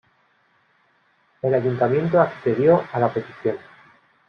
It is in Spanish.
El Ayuntamiento accedió a la petición.